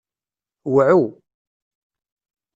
Wɛu.